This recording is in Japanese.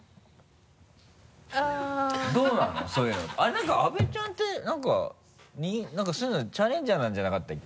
何か阿部ちゃんって何か何かそういうのチャレンジャーなんじゃなかったっけ？